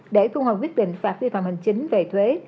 để thu hồi quyết định phạt vi phạm hành chính về thuế